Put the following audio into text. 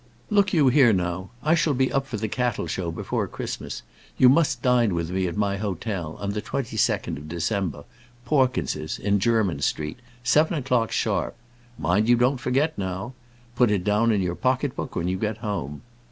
"Look you here, now. I shall be up for the Cattle show before Christmas. You must dine with me at my hotel, on the twenty second of December, Pawkins's, in Jermyn Street; seven o'clock, sharp. Mind you do not forget, now. Put it down in your pocket book when you get home.